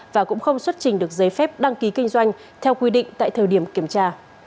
và cũng không xuất trình được giấy phép đăng ký kinh doanh theo quy định tại thời điểm kiểm tra